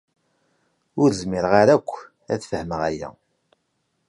Ur zmireɣ ara akk ad fehmeɣ aya.